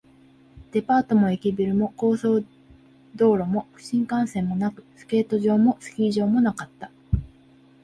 デパートも駅ビルも、高速道路も新幹線もなく、スケート場もスキー場もなかった